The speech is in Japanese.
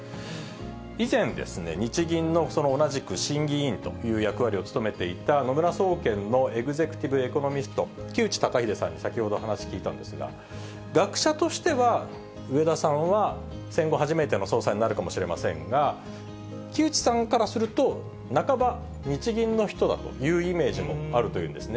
以前、日銀の同じく審議委員という役割を務めていた野村総研のエグゼクティブ・エコノミスト、木内登英さんに先ほど話聞いたんですが、学者としては植田さんは戦後初めての総裁になるかもしれませんが、木内さんからすると、半ば日銀の人だというようなイメージもあるというんですね。